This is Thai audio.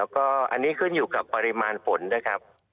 ก็อันนี้ขึ้นอยู่กับปริมาณฝนด้วยครับ